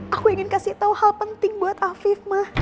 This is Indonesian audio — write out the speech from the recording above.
aku ingin kasih tau hal penting buat afif ma